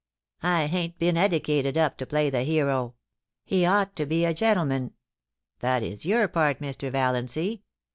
I hain't been eddicated up to play the hero. He ought to be a gentleman. That is your part, Mr. Valiancy.